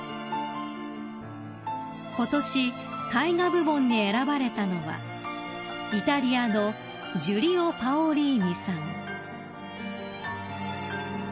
［ことし絵画部門に選ばれたのはイタリアのジュリオ・パオリーニさん］